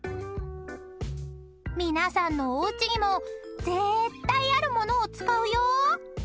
［皆さんのおうちにも絶対ある物を使うよ］